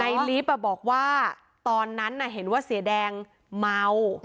ลิฟต์บอกว่าตอนนั้นเห็นว่าเสียแดงเมา